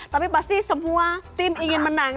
tapi pasti semua tim ingin menang